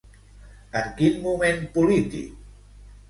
En quin moment polític?